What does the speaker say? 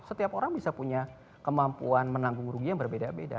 setiap orang bisa punya kemampuan menanggung rugi yang berbeda beda